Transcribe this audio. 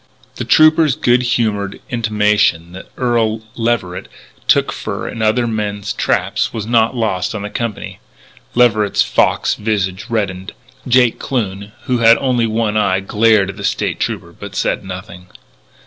The trooper's good humoured intimation that Earl Leverett took fur in other men's traps was not lost on the company. Leverett's fox visage reddened; Jake Kloon, who had only one eye, glared at the State Trooper but said nothing.